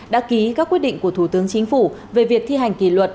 đã ký các quyết định của thủ tướng chính phủ về việc thi hành kỷ luật